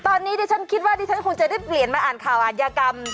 ตอนนี้ดิฉันคิดว่าดิฉันคงจะได้เปลี่ยนมาอ่านข่าวอาทยากรรม